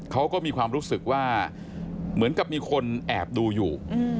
เขาก็มีความรู้สึกว่าเหมือนกับมีคนแอบดูอยู่